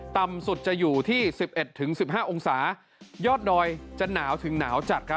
ต่ำสุดจะอยู่ที่๑๑๑๕องศายอดดอยจะหนาวถึงหนาวจัดครับ